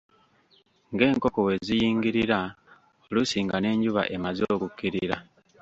Ng'enkoko we ziyingirira, oluusi nga n'enjuba emaze okukkirira.